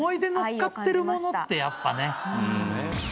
ものってやっぱね。